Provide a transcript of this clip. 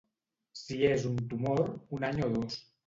Si és un tumor, un any o dos.